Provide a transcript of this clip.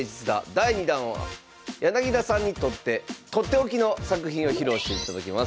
第２弾は柳田さんにとってとっておきの作品を披露していただきます。